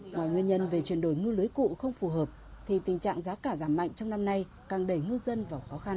ngoài nguyên nhân về chuyển đổi ngư lưới cụ không phù hợp thì tình trạng giá cả giảm mạnh trong năm nay càng đẩy ngư dân vào khó khăn